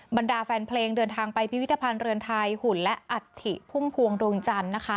บรรดาแฟนเพลงเดินทางไปพิพิธภัณฑ์เรือนไทยหุ่นและอัฐิพุ่มพวงดวงจันทร์นะคะ